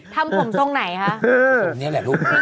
ทำผมตรงไหนฮะตรงนี้แหละลูก